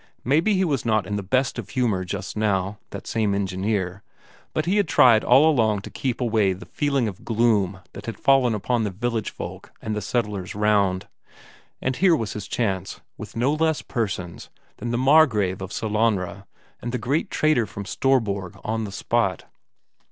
Maybe he was not in the best of humour just now, that same engineer, but he had tried all along to keep away the feeling of gloom that had fallen upon the village folk and the settlers round and here was his chance, with no less persons than the Margrave of Sellanraa and the great trader from Storborg on the spot.